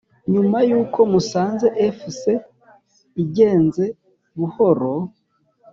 nyuma y’uko musanze fc igenze buhoro